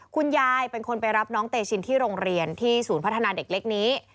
คุณยายเป็นคนไปรับน้องเตชินที่โรงเรียนที่ศูนย์พัฒนาเด็กเล็กนี้